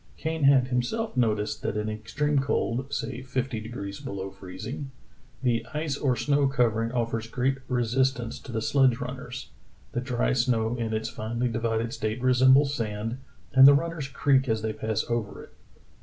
Kane had himself noticed that in extreme cold, say fifty degrees below free2ing,*'the ice or snow covering offers great resistance to the sledge runners. The dry snow in its finely di vided state resembles sand, and the runners creak as they pass over it."